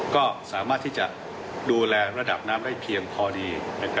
ก็สามารถที่จะดูแลระดับน้ำได้เพียงพอดี